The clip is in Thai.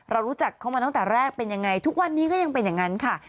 รู้จักเขามาตั้งแต่แรกเป็นยังไงทุกวันนี้ก็ยังเป็นอย่างนั้นค่ะ